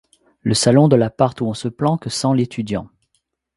Le salon de l’appart où on se planque sent l’étudiant.